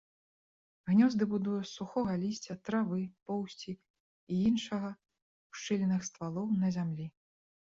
Гнёзды будуе з сухога лісця, травы, поўсці і іншага ў шчылінах ствалоў, на зямлі.